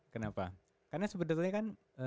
kenapa karena sebenarnya kan